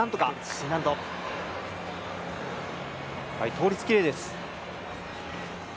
倒立、きれいです。